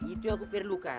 itu yang aku perlukan